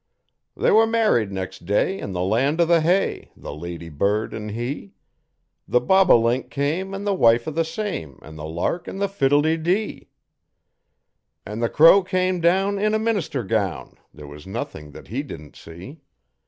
They were married next day, in the land o' the hay, the lady bird an' he. The bobolink came an' the wife o' the same An' the lark an' the fiddle de dee. An' the crow came down in a minister gown there was nothing that he didn't see.